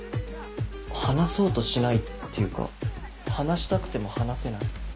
離そうとしないっていうか離したくても離せない。